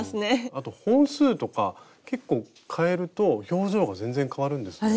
あと本数とか結構変えると表情が全然変わるんですね。